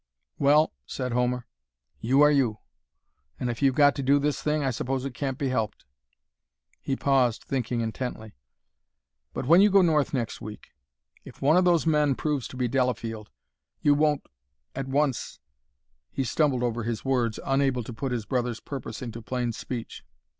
"Well," said Homer, "you are you; and if you've got to do this thing I suppose it can't be helped." He paused, thinking intently. "But when you go North next week if one of those men proves to be Delafield you won't at once " He stumbled over his words, unable to put his brother's purpose into plain speech.